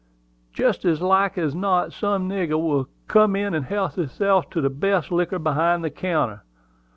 Jest as like as not some nigger will come in and help hisself to the best liquor behind the counter.